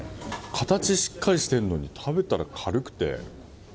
形しっかりしているのに食べたら、軽くて。